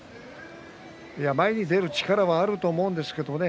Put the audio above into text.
前に出る力はあると思うんですけどもね。